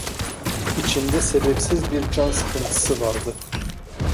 İçimde sebepsiz bir can sıkıntısı vardı.